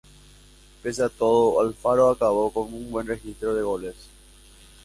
Pese a todo, Alfaro acabó con un buen registro de goles.